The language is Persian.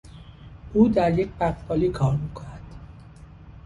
او در یک بقالی کار میکند.